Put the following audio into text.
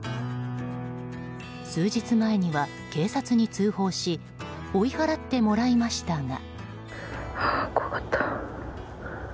数日前には警察に通報し追い払ってもらいましたが。